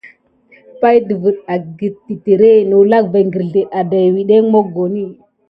Pay ɗəfiŋ agəte titiré naku negəlke ikil kulan va kirzel adawuteki va tisic asane mokoni.